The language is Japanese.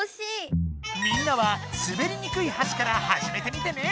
みんなはすべりにくいはしからはじめてみてね！